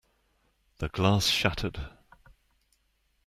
The glass shattered.